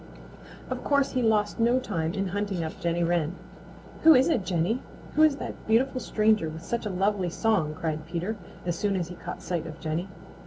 Of course he lost no time in hunting up Jenny Wren. "Who is it, Jenny? Who is that beautiful stranger with such a lovely song?" cried Peter, as soon as he caught sight of Jenny.